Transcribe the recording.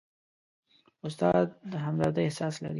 استاد د همدردۍ احساس لري.